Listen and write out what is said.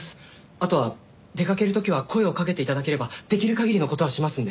あとは出かける時は声をかけて頂ければできる限りの事はしますんで。